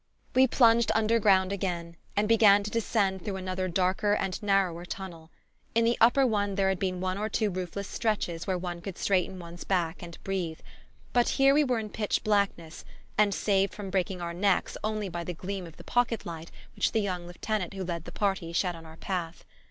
We plunged underground again and began to descend through another darker and narrower tunnel. In the upper one there had been one or two roofless stretches where one could straighten one's back and breathe; but here we were in pitch blackness, and saved from breaking our necks only by the gleam of the pocket light which the young lieutenant who led the party shed on our path.